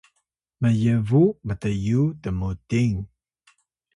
myebu mt’yu tmuting